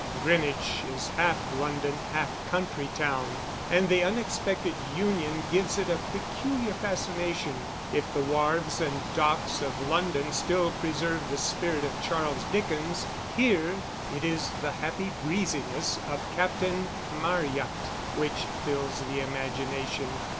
Greenwich is half London, half country town; and the unexpected union gives it a peculiar fascination. If the wharves and docks of London still preserve the spirit of Charles Dickens, here it is the happy breeziness of Captain Marryat which fills the imagination.